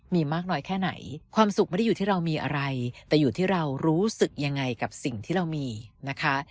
มีมากน้อยแค่ไหนความสุขไม่ได้อยู่ที่เรามีอะไรแต่อยู่ที่เรารู้สึกยังไงกับสิ่งที่เรามีนะคะ